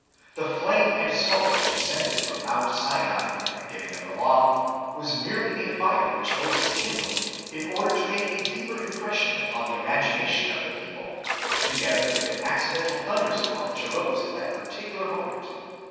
The flame and smoke which ascended from Mount Sinai, at the giving of the law, was merely a fire which Moses kindled in order to make a deeper impression upon the imagination of the people, together with an accidental thunderstorm which arose at that par ticular moment.